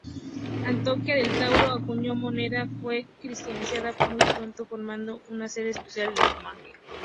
Antioquía del Tauro acuñó moneda. Fue cristianizada muy pronto, formando una sede episcopal en Comagene.